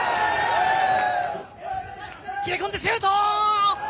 切り込んでシュート！